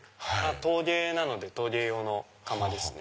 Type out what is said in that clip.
陶芸なので陶芸用の窯ですね。